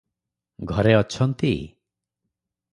ଘରେ ଅଛନ୍ତି?